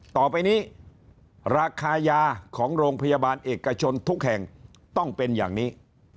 ต่อไปนี้ราคายาของโรงพยาบาลเอกชนทุกแห่งต้องเป็นอย่างนี้